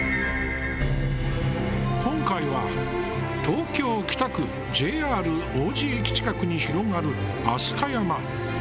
今回は東京・北区、ＪＲ王子駅近くに広がる飛鳥山。